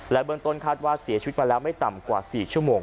เบื้องต้นคาดว่าเสียชีวิตมาแล้วไม่ต่ำกว่า๔ชั่วโมง